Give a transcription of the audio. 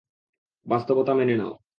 বাস্তবতা মেনে নাও।